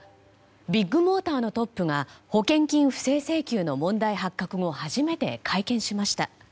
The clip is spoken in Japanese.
ビッグモーターのトップが保険金不正請求の問題発覚後初めて会見しました。